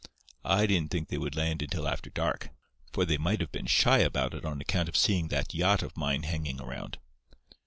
I didn't think they would land until after dark, for they might have been shy about it on account of seeing that yacht of mine hanging around.